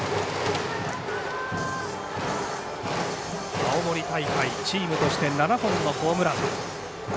青森大会チームとして７本のホームラン。